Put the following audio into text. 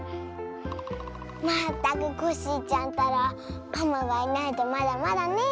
まったくコッシーちゃんったらパマがいないとまだまだねえ。